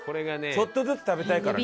ちょっとずつ食べたいからね。